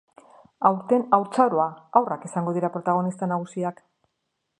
Aurten, haurtzaroa, haurrak izango dira protagonista nagusiak.